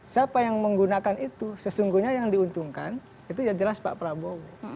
siapa yang menggunakan itu sesungguhnya yang diuntungkan itu ya jelas pak prabowo